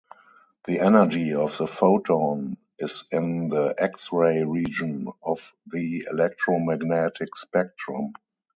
The energy of the photon is in the X-ray region of the electromagnetic spectrum.